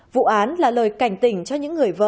vụ án là lời cảnh tình cho những người thân